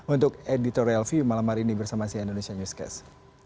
untuk editorial view malam hari ini bersama sian indonesia newscast